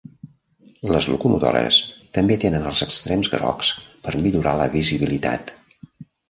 Les locomotores també tenen els extrems grocs per millorar la visibilitat.